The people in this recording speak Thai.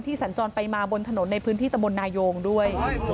สัญจรไปมาบนถนนในพื้นที่ตะมนนายงด้วย